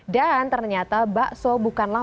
dan ternyata baso bukanlah